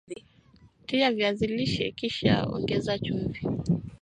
Tia viazi lishe kisha ongeza chumvi